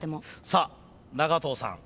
さあ長藤さん。